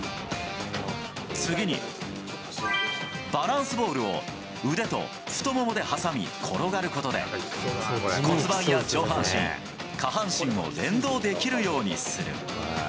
次に、バランスボールを腕と太ももで挟み転がることで、骨盤や上半身、下半身も連動できるようにする。